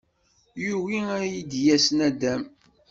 Yugi ad iyi-d-yas naddam.